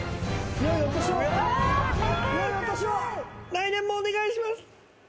来年もお願いします！